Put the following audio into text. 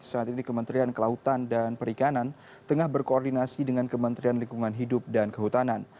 saat ini kementerian kelautan dan perikanan tengah berkoordinasi dengan kementerian lingkungan hidup dan kehutanan